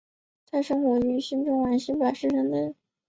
它生活于中新世的巴斯图阶至上新世的晚亥姆菲尔阶之间。